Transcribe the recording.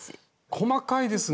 細かいですね！